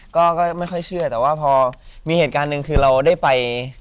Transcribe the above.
ก็ไม่ค่อยเชื่อแต่ว่าพอมีเหตุการณ์หนึ่งคือเราได้ไป